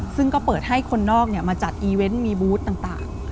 ซึ่งก็เปิดให้คนนอกมาจัดอีเวนต์มีบูธต่าง